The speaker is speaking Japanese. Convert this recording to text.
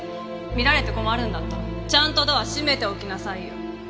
見られて困るんだったらちゃんとドア閉めておきなさいよ。